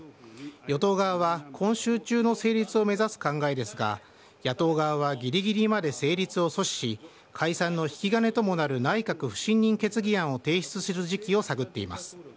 与党側は今週中の成立を目指す考えですが、野党側はぎりぎりまで成立を阻止し、解散の引き金ともなる内閣不信任決議案を提出する時期を探っています。